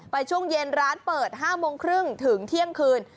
ช่วงเย็นร้านเปิด๕โมงครึ่งถึงเที่ยงคืน